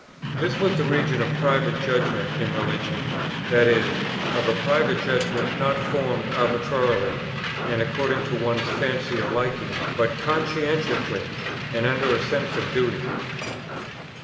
This was the region of Private Judgment in religion; that is, of a Private Judgment, not formed arbitrarily and according to one's fancy or liking, but conscientiously, and under a sense of duty.